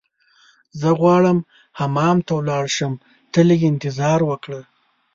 زه غواړم حمام ته ولاړ شم، ته لږ انتظار وکړه.